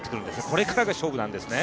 これからが勝負なんですね。